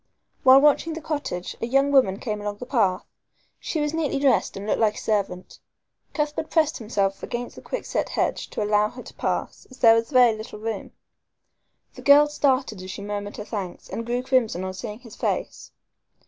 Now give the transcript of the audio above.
While watching the cottage, a young woman came along the path. She was neatly dressed and looked like a servant. Cuthbert pressed himself against the quickset hedge to allow her to pass, as there was very little room. The girl started as she murmured her thanks, and grew crimson on seeing his face.